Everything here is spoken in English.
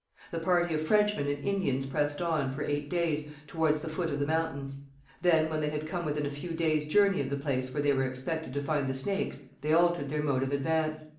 The party of Frenchmen and Indians pressed on, for eight days, towards the foot of the mountains. Then, when they had come within a few days' journey of the place where they expected to find the Snakes, they altered their mode of advance.